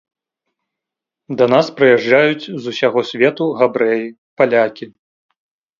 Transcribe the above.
Да нас прыязджаюць з усяго свету габрэі, палякі.